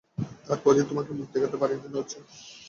তার পরদিন তোমাকে মুখ দেখাতে পারি নি লজ্জায়।